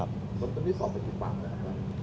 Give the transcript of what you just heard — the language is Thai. หมอบรรยาหมอบรรยาหมอบรรยา